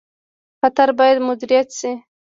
خطر باید مدیریت شي